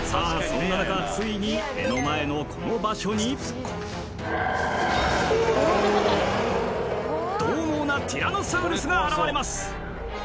そんな中ついに目の前のこの場所にどう猛なティラノサウルスが現れます